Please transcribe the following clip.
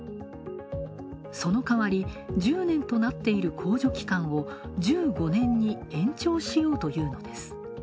その代わり、１０年となっている期間を１５年に延長しようというのです。